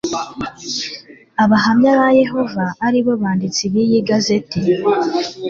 abahamya ba yehova ari bo banditsi b iyi gazeti